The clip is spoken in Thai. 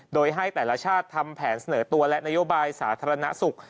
โดยให้แต่ละชาติทำแผนเสนอตัวและนโยบายสาธารณสุข